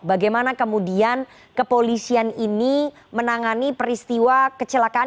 bagaimana kemudian kepolisian ini menangani peristiwa kecelakaan